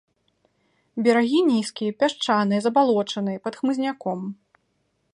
Берагі нізкія, пясчаныя, забалочаныя, пад хмызняком.